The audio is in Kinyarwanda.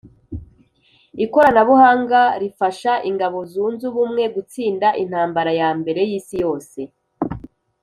ikoranabuhanga rifasha ingabo zunze ubumwe gutsinda intambara ya mbere y'isi yose